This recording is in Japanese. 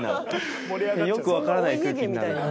よくわからない空気になるっていう。